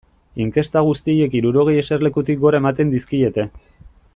Inkesta guztiek hirurogei eserlekutik gora ematen dizkiete.